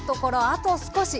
あと少し。